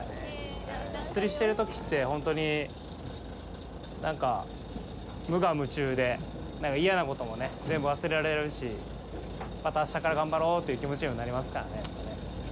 釣りをしてるときって、ほんとになんか、無我夢中で、嫌なこともね、全部、忘れられるし、またあしたから頑張ろうという気持ちにもなりますからね。